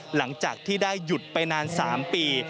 หลังจากที่ได้หยุดไปนาน๓ปี